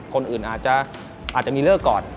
คนอื่นอาจจะมีเลิกก่อน